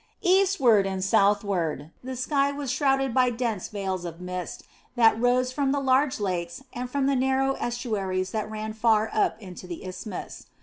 Eastward and southward the sky was shrouded by dense veils of mist that rose from the large lakes and from the narrow estuaries that ran far up into the isthmus.